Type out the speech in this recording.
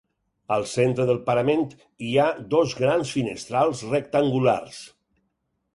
Al centre del parament hi ha dos grans finestrals rectangulars.